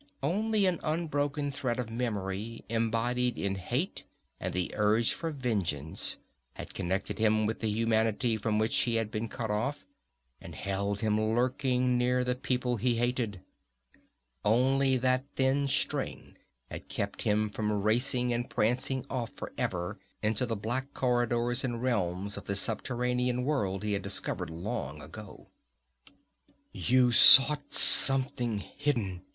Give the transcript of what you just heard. Only an unbroken thread of memory embodied in hate and the urge for vengeance had connected him with the humanity from which he had been cut off, and held him lurking near the people he hated. Only that thin string had kept him from racing and prancing off for ever into the black corridors and realms of the subterranean world he had discovered, long ago. "You sought something hidden!"